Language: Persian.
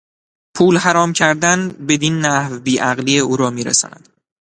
پول حرام کردن بدین نحو بی عقلی او را میرساند.